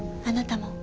あなたも。